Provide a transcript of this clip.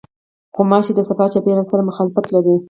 غوماشې د صفا چاپېریال سره مخالفت لري.